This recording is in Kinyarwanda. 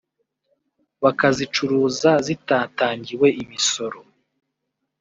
bakazicuruza zitatangiwe imisoro